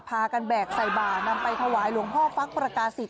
พากันแบกใส่บ่านำไปถวายหลวงพ่อฟักประกาศิษ